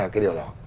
cái điều đó